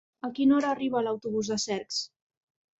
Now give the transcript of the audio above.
A quina hora arriba l'autobús de Cercs?